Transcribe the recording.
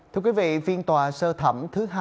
thưa quý vị phiên tòa sơ thẩm thứ hai